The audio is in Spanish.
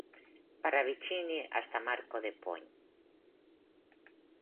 Parravicini hasta Marco de Pont.